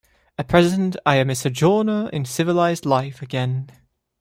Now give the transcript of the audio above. At present I am a sojourner in civilized life again.